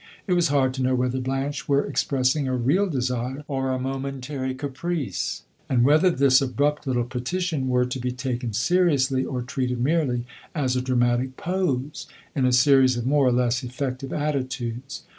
It was hard to know whether Blanche were expressing a real desire or a momentary caprice, and whether this abrupt little petition were to be taken seriously, or treated merely as a dramatic pose in a series of more or less effective attitudes.